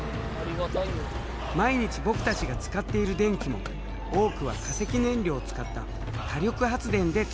毎日僕たちが使っている電気も多くは化石燃料を使った火力発電で作られたもの。